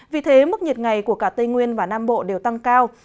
vì thế mức nhiệt ngày của cả tây nguyên và nam bộ đều tăng cao